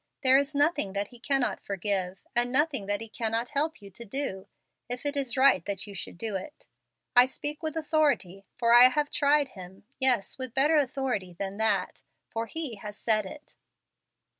There is nothing that He cannot forgive, and noth¬ ing that He cannot help you to do, if it is right that you should do it. I speak with authority, for I have tried Him; yes, with better authority than that — for He has said it.